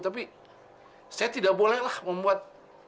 tapi saya tidak bolehlah membuat